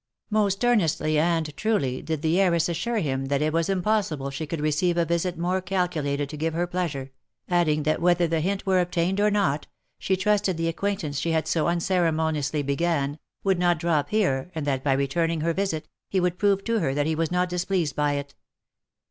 Most earnestly and truly did the heiress assure him that it was im possible she could receive a visit more calculated to give her pleasure, adding that whether the hint were obtained or not, she trusted the ac quaintance she had so unceremoniously began, would not drop here and that by returning her visit, he would prove to her that he was not displeased by it.